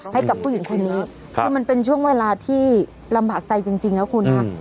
ให้กับผู้หญิงคนนี้คือมันเป็นช่วงเวลาที่ลำบากใจจริงนะคุณค่ะ